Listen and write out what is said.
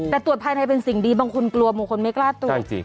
แต่ตรวจภายในเป็นสิ่งดีบางคนกลัวบางคนไม่กล้าตรวจ